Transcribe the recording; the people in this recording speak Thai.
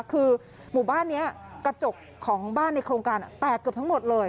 คือหมู่บ้านนี้กระจกของบ้านในโครงการแตกเกือบทั้งหมดเลย